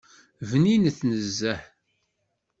Bninet nezzeh!